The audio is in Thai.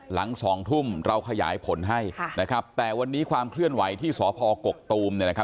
หลังสองทุ่มเราขยายผลให้ค่ะนะครับแต่วันนี้ความเคลื่อนไหวที่สอพอกกตูมเนี่ยนะครับ